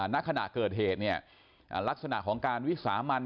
ณขณะเกิดเหตุเนี่ยลักษณะของการวิสามัน